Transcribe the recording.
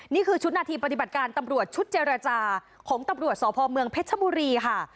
นี่คือชุดนาทีปฏิบัติการตำรวจชุดเจรจาของตำรวจสพเมืองเพชรชบุรีค่ะ